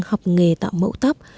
học nghề tạo mẫu tóc